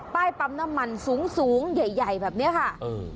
ป้ายปั๊มน้ำมันสูงสูงใหญ่แบบเนี้ยค่ะเออ